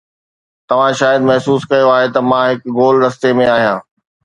توهان شايد محسوس ڪيو آهي ته مان هڪ گول رستي ۾ آهيان